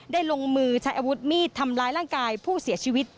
ลงมือใช้อาวุธมีดทำร้ายร่างกายผู้เสียชีวิต